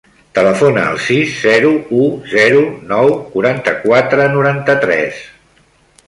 Telefona al sis, zero, u, zero, nou, quaranta-quatre, noranta-tres.